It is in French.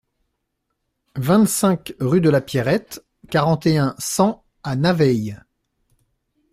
vingt-cinq rue de La Pierrette, quarante et un, cent à Naveil